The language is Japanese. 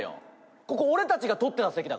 ここ俺たちが取ってた席だから。